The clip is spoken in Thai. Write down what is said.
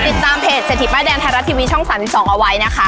ติดตามเพจเศรษฐีป้ายแดงไทยรัฐทีวีช่อง๓๒เอาไว้นะคะ